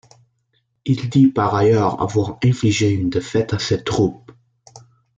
Il dit par ailleurs avoir infligé une défaite à ces troupes.